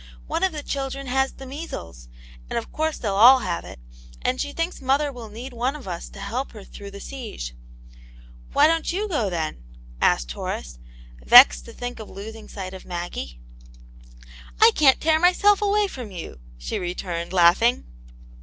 " One of the children has the measles, and of course they'll all have it. And she thinkd mother will need one of us to help her through the siege. "Why don't you go, then ?" asked llQV'a.ce^vcYL<i.d. to think of losing sight of Mag^v^* 84 A Wit Janets Hero. " I can't tear myself away from you! "she returned, laughing.